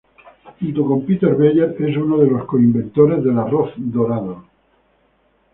Junto con Peter Beyer, es uno de los co-inventores del arroz dorado.